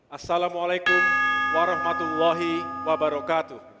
assalamualaikum warahmatullahi wabarakatuh